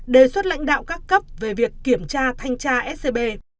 đề xuất lãnh đạo các cấp về việc kiểm tra thanh tra scb